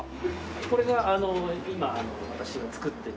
これが今私が作ってる。